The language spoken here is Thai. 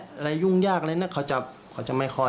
ยุ่งยากอะไรนะเขาจะไม่ค่อย